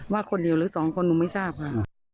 ว่าคนเดียวหรือสองคนหนูไม่ทราบค่ะ